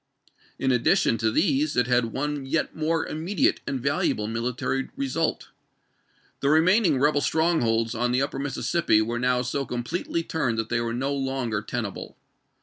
In addition to these it had one yet more immedi ate and valuable military result. The remaining rebel strongholds on the upper Mississippi were now so completely turned that they were no longer tenable.